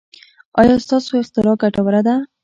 ایا ستاسو اختراع ګټوره ده؟